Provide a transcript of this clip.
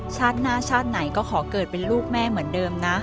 ชาติหน้าชาติไหนก็ขอเกิดเป็นลูกแม่เหมือนเดิมนะ